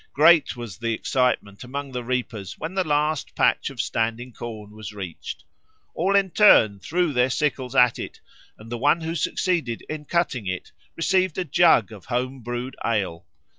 Great was the excitement among the reapers when the last patch of standing corn was reached. All in turn threw their sickles at it, and the one who succeeded in cutting it received a jug of home brewed ale.